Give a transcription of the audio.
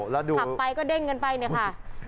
แล้วดูขับไปก็เด้งกันไปเนี่ยค่ะ